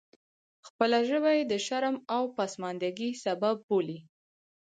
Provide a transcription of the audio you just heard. خپله ژبه یې د شرم او پسماندګۍ سبب بولي.